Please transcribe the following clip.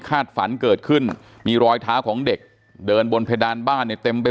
ฝันเกิดขึ้นมีรอยเท้าของเด็กเดินบนเพดานบ้านเนี่ยเต็มไป